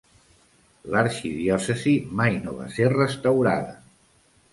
L'arxidiòcesi mai no va ser restaurada.